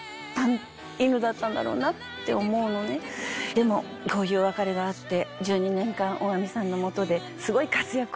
でもこういうお別れがあって。